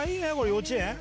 幼稚園？